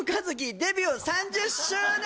デビュー３０周年